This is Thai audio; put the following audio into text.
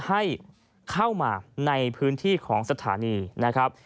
ให้เข้ามาในพื้นที่ของสถานีนะครับ